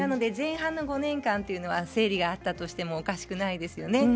前半の５年間というのは生理があったとしてもおかしくないですよね。